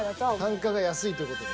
単価が安いという事で。